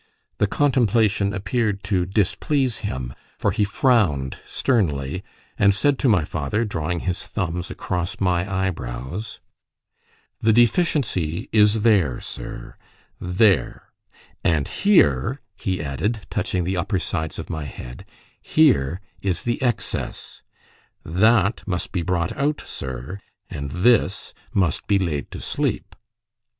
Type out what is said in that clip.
The contemplation appeared to displease him, for he frowned sternly, and said to my father, drawing his thumbs across my eyebrows "The deficiency is there, sir there; and here," he added, touching the upper sides of my head, "here is the excess. That must be brought out, sir, and this must be laid to sleep."